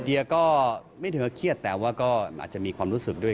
เดียก็ไม่เธอเครียดแต่ว่าก็อาจจะมีความรู้สึกด้วย